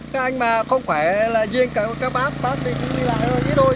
các anh mà không khỏe là riêng cả các bác bác thì cũng đi lại thôi ít thôi